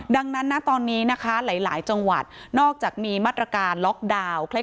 ดังนั้นนะตอนนี้นะคะหลายจังหวัดนอกจากมีมาตรการล็อกดาวน์